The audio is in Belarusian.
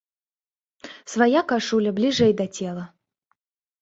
Свая кашуля бліжэй да цела.